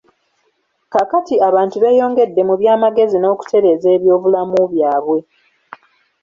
Kaakati abantu beeyongedde mu byamagezi n'okutereeza ebyobulamu bwabwe.